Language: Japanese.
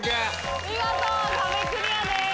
見事壁クリアです。